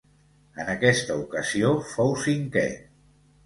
En aquesta ocasió fou cinquè.